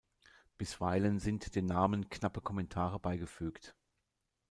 Bisweilen sind den Namen knappe Kommentare beigefügt.